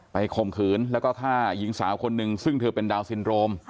ข่มขืนแล้วก็ฆ่าหญิงสาวคนหนึ่งซึ่งเธอเป็นดาวนซินโรม